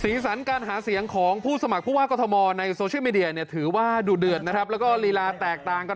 สันการหาเสียงของผู้สมัครผู้ว่ากรทมในโซเชียลมีเดียเนี่ยถือว่าดูเดือดนะครับแล้วก็ลีลาแตกต่างกัน